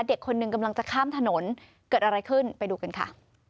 เด็กคนหนึ่งกำลังจะข้ามถนนเกิดอะไรขึ้นไปดูกันค่ะ